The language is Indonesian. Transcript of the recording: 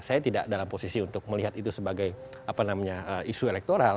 saya tidak dalam posisi untuk melihat itu sebagai isu elektoral